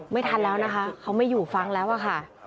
ไม่ทันแล้วนะคะเขาไม่อยู่ฟังแล้วอะค่ะ